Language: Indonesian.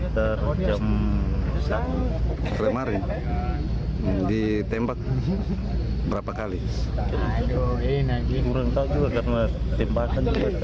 kapal nelayan tersebut bisa lolos karena seorang anak buah kapal menuju perairan indonesia